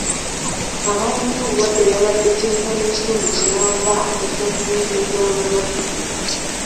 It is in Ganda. Abaawoonye obulwadde baabadde kyenkana ekitundu kiramba eky'omuwendo gw'abalwadde.